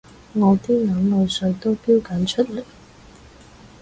我啲眼淚水都標緊出嚟